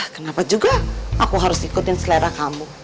kenapa juga aku harus ikutin selera kamu